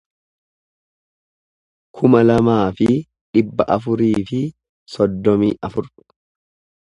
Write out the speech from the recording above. kuma lamaa fi dhibba afurii fi soddomii afur